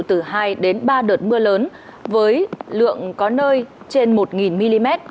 từ hai đến ba đợt mưa lớn với lượng có nơi trên một mm